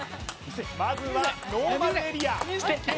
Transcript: まずはノーマルエリア